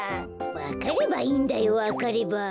わかればいいんだよわかれば。